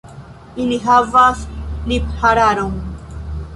Ili havas liphararon.